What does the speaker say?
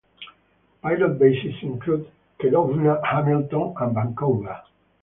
Pilot Bases include Kelowna, Hamilton, and Vancouver.